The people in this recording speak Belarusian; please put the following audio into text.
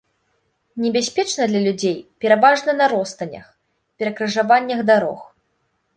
Небяспечна для людзей, пераважна на ростанях, перакрыжаваннях дарог.